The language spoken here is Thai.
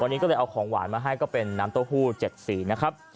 วันนี้ก็เลยเอาของหวานมาให้ก็เป็นน้ำเต้าหู้๗สีนะครับ